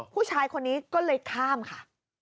ผู้ชายคนนี้ก็เลยข้ามค่ะ